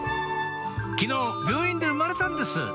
昨日病院で産まれたんです